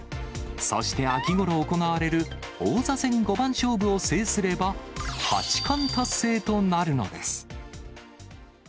そして、秋ごろ行われる王座戦五番勝負を制すれば、八冠達成となるのです。